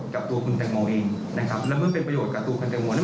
แต่ที่ตัวเองไม่มีครอบครัวหรือมีความรู้เกี่ยวกับสถานทรูป